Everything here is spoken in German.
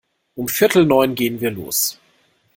Um viertel neun gehn wir los.